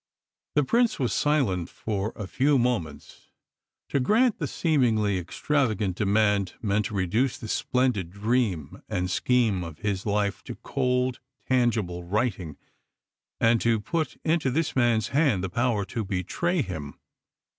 The Prince was silent for a few moments. To grant the seemingly extravagant demand meant to reduce the splendid dream and scheme of his life to cold, tangible writing, and to put into this man's hand the power to betray him.